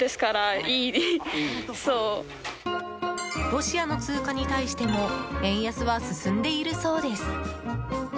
ロシアの通貨に対しても円安は進んでいるそうです。